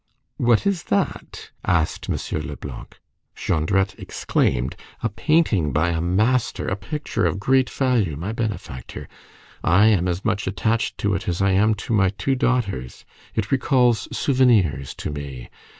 "What is that?" asked M. Leblanc. Jondrette exclaimed:— "A painting by a master, a picture of great value, my benefactor! I am as much attached to it as I am to my two daughters; it recalls souvenirs to me!